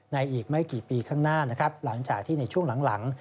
อีกไม่กี่ปีข้างหน้านะครับหลังจากที่ในช่วงหลัง